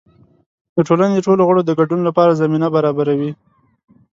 د ټولنې د ټولو غړو د ګډون لپاره زمینه برابروي.